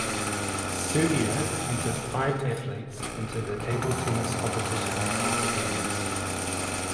Serbia entered five athletes into the table tennis competition at the games.